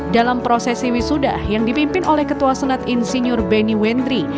dalam prosesi wisuda yang dipimpin oleh ketua senat insinyur beni wendri